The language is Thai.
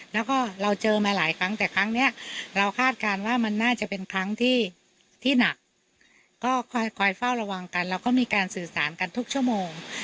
แล้วก็เราเจอมาหลายครั้งแต่ครั้งนี้เราคาดการณ์ว่ามันน่าจะเป็นครั้งที่หนักก็คอยเฝ้าระวังกันแล้วก็มีการสื่อสารกันทุกชั่วโมง